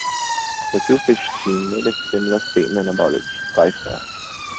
The Twofish team made a similar statement about its cipher.